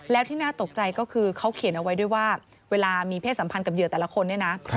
แล้วที่น่าตกใจก็คือเขาเขียนเอาไว้ด้วยว่าเวลามีเพศสัมพันธ์กับเหยื่อแต่ละคนเนี่ยนะ